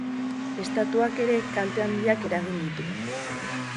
Estatuak ere kalte handiak eragin ditu.